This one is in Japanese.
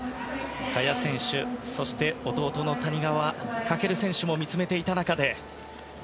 萱選手、そして弟の谷川翔選手も見つめていた中で。